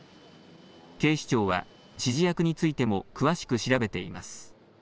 警視庁は、指示役についても詳しく調べています。